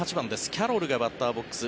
キャロルがバッターボックス。